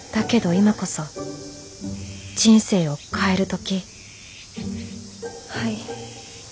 今こそ人生を変える時はい。